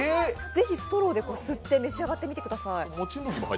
ぜひストローで吸って召し上がってください。